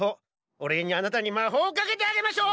お礼にあなたに魔法をかけてあげましょう！